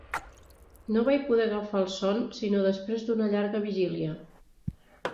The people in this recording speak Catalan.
No vaig poder agafar el son sinó després d'una llarga vigília.